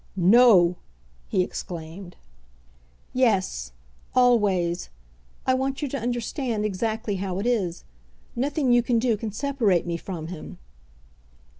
"No!" he exclaimed. "Yes; always. I want you to understand exactly how it is. Nothing you can do can separate me from him."